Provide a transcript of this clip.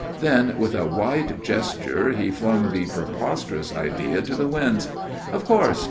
Then, with a wide gesture, he flung the preposterous idea to the winds. "Of course.